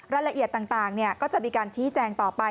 รายละเอียดต่างก็จะมีการชี้แจงต่อไป